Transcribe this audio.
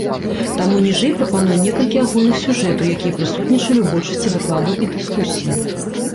Таму ніжэй прапануем некалькі агульных сюжэтаў, якія прысутнічалі ў большасці дакладаў і дыскусіі.